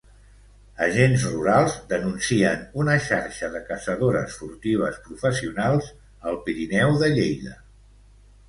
Agents Rurals denuncien una xarxa de caçadores furtives professionals al Pirineu de Lleida.